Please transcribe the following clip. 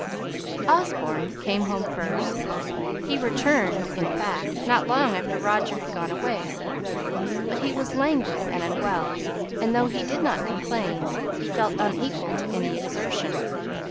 Osborne came home first. He returned, in fact, not long after Roger had gone away; but he was languid and unwell, and, though he did not complain, he felt unequal to any exertion.